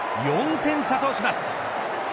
４点差とします。